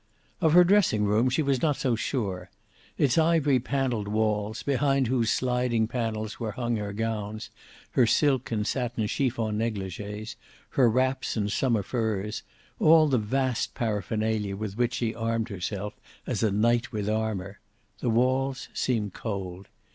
Of her dressing room she was not so sure. It's ivory paneled walls, behind whose sliding panels were hung her gowns, her silk and satin chiffon negligees, her wraps and summer furs all the vast paraphernalia with which she armed herself, as a knight with armor the walls seemed cold.